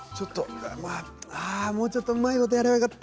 もうちょっとうまいことやればよかった。